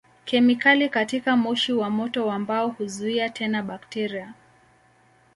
Kemikali katika moshi wa moto wa mbao huzuia tena bakteria.